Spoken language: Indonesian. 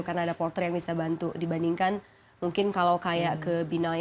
karena ada porter yang bisa bantu dibandingkan mungkin kalau kayak ke binaya di maluku gitu